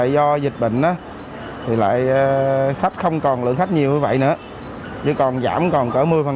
do dịch bệnh thì lại khách không còn lượng khách nhiều như vậy nữa chỉ còn giảm còn cỡ mươi phần